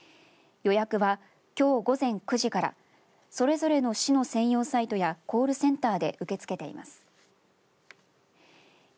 予約は、きょう午前９時からそれぞれの市の専用サイトやコールセンターで受け付けています。